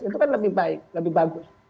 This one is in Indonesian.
itu kan lebih baik lebih bagus